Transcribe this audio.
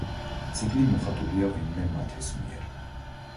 წიგნი მოხატულია ვინმე მათეს მიერ.